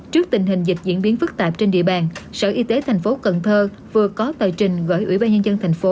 trước tình hình dịch diễn biến phức tạp trên địa bàn sở y tế tp cn vừa có tờ trình gửi ủy ban nhân dân tp